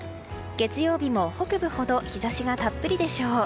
月曜日も北部ほど日差しがたっぷりでしょう。